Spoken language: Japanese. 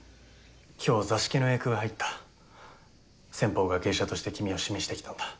今日座敷の予約が入った先方が芸者として君を指名してきたんだ